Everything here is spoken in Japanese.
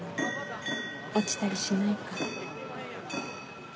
落ちたりしないか。